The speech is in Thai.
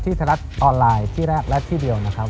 ไทยรัฐออนไลน์ที่แรกและที่เดียวนะครับ